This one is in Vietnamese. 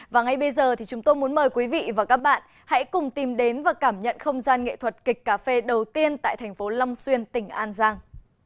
và ngay bây giờ thì chúng tôi muốn mời quý vị và các bạn hãy cùng tìm đến và cảm nhận không gian nghệ thuật kịch cà phê đầu tiên tại tp hcm tỉnh an giang